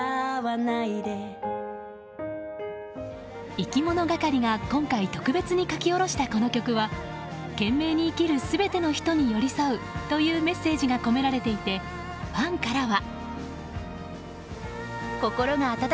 いきものがかりが今回特別に書き下ろしたこの曲は懸命に生きる全ての人に寄り添うというメッセージが込められていて、ファンからは。